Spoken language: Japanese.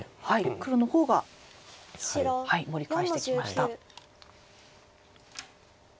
黒の方が盛り返してきました。